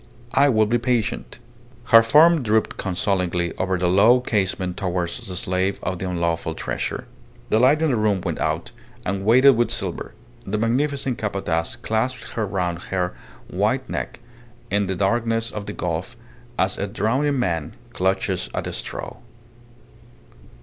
... I will be patient! ..." Her form drooped consolingly over the low casement towards the slave of the unlawful treasure. The light in the room went out, and weighted with silver, the magnificent Capataz clasped her round her white neck in the darkness of the gulf as a drowning man clutches at a straw.